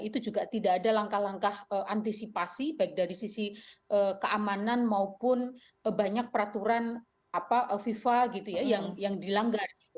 itu juga tidak ada langkah langkah antisipasi baik dari sisi keamanan maupun banyak peraturan fifa gitu ya yang dilanggar